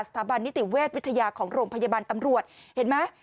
สถาบันนิติเวชวิทยาของโรงพยาบาลตำรวจเห็นไหม